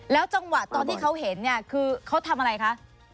จังหวะตอนที่เขาเห็นเนี่ยคือเขาทำอะไรคะ